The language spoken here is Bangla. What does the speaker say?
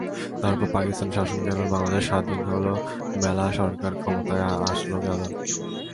তারপর পাকিস্তান শাসন গেল, বাংলাদেশ স্বাধীন অলো, মেলা সরকার ক্ষমতায় আসলো-গ্যালো।